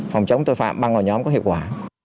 phòng chống tội phạm băng vào nhóm có hiệu quả